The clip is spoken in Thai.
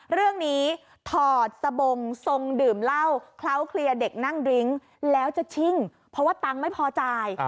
ถอดสบงทรงดื่มเหล้าเคล้าเคลียร์เด็กนั่งดริ้งแล้วจะชิ่งเพราะว่าตังค์ไม่พอจ่าย